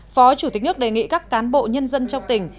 phó chủ tịch nước đề nghị các cán bộ nhân dân trong tỉnh